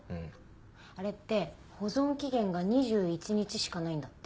あれって保存期限が２１日しかないんだって。